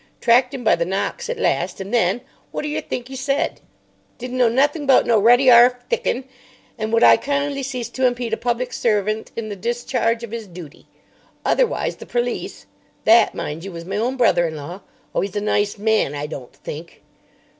Tracked 'im by the knocks at last. And then, wot d'yer think 'e said? Didn't know nothing about no ruddy 'arf thick 'un, and would I kindly cease to impede a public servant in the discharge of 'is dooty. Otherwise—the perlice. That, mind you, was my own brother in law. Oh, he's a nice man, I don't think!"